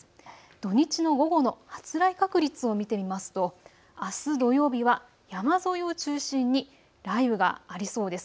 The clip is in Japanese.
土日の午後の発雷確率を見てみますとあす土曜日は山沿いを中心に雷雨がありそうです。